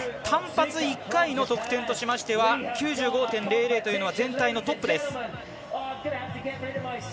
単発１回の得点としましては９５．００というのは全体のトップです。